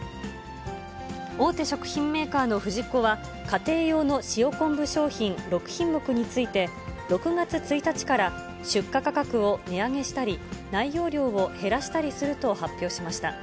大手食品メーカーのフジッコは、家庭用の塩昆布商品６品目について、６月１日から出荷価格を値上げしたり、内容量を減らしたりすると発表しました。